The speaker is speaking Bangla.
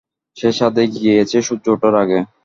সে ছাদে গিয়েছে সূর্য ওঠার আগে।